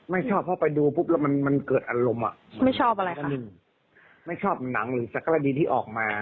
ไม่ชอบเพราะไปดูปุ๊บแล้วมันมันเกิดอารมณ์อ่ะไม่ชอบอะไรกันหนึ่งไม่ชอบหนังหรือสักกรณีที่ออกมา